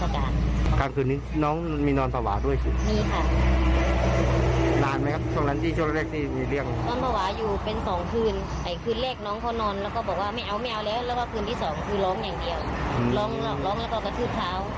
ร้องอย่างเดียวร้องแล้วก็กระทืบเท้า